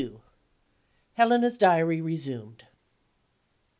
HELENA'S DIARY RESUMED.